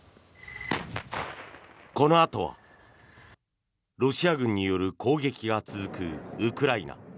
このあとは、ロシア軍による攻撃が続くウクライナ。